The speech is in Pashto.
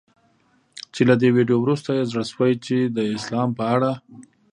چي له دې ویډیو وروسته یې زړه سوی چي د اسلام په اړه